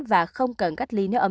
và không cần cách ly nữa